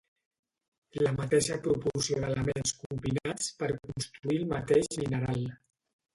La mateixa proporció d'elements combinats per constituir el mateix mineral.